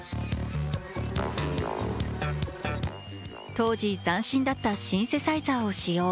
当時、斬新だったシンセサイザーを使用。